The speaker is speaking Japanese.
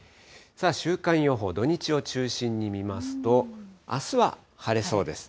週間予報、土日を中心に見ますと、あすは晴れそうです。